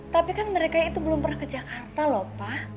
tapi kan mereka itu belum pernah ke jakarta lho pak